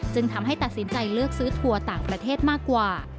จึงทำให้ตัดสินใจเลือกซื้อทัวร์ต่างประเทศมากกว่า